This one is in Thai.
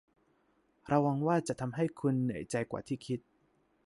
ระวังว่าจะทำให้คุณเหนื่อยใจกว่าที่คิด